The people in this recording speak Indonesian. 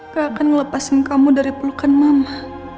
gak akan melepaskan kamu dari pelukan mama